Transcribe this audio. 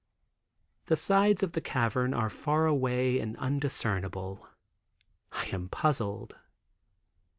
The sides of the cavern are far away and undiscernible. I am puzzled.